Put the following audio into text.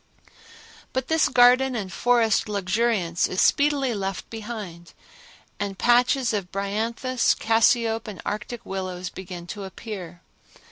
But this garden and forest luxuriance is speedily left behind, and patches of bryanthus, cassiope and arctic willows begin to appear.